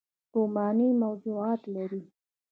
رومانوي موضوعات لري